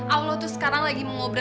allah tuh sekarang lagi mengobrol sama dia